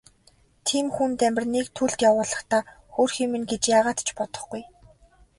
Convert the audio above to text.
Тийм хүн Дамираныг төлд явуулахдаа хөөрхий минь гэж яагаад ч бодохгүй.